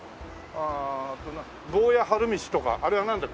ああ坊屋春道とかあれはなんだ？